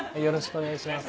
お願いします。